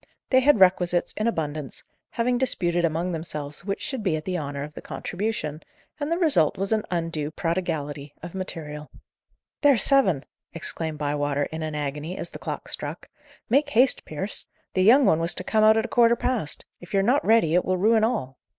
They had requisites in abundance, having disputed among themselves which should be at the honour of the contribution, and the result was an undue prodigality of material. "There's seven!" exclaimed Bywater in an agony, as the clock struck. "Make haste, Pierce! the young one was to come out at a quarter past. If you're not ready, it will ruin all."